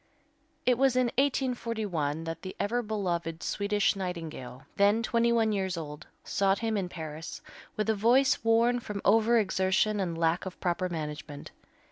It was in 1841 that the ever beloved Swedish Nightingale, then twenty one years old, sought him in Paris, with a voice worn from over exertion and lack of proper management.